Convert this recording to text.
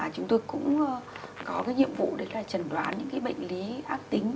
chúng tôi cũng có nhiệm vụ trần đoán những bệnh lý ác tính